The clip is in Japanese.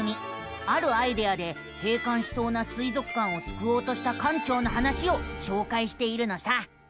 あるアイデアで閉館しそうな水族館をすくおうとした館長の話をしょうかいしているのさ。